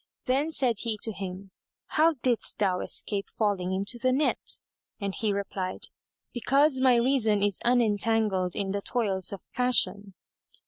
Then said he to him, "How didst thou escape falling into the net?" And he replied, "Because my reason is unentangled in the toils of passion."